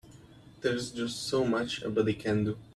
There's just so much a body can do.